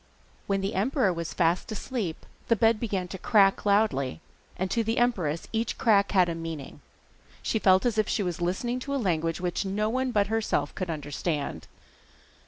When the emperor was fast asleep, the bed began to crack loudly, and to the empress each crack had a meaning. She felt as if she were listening to a language which no one but herself could understand.